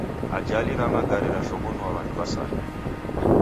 Ajali ra magare rashoghonue w'andu w'asanu.